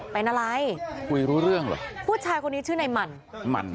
เป็นอะไรคุยรู้เรื่องเหรอผู้ชายคนนี้ชื่อในหมั่น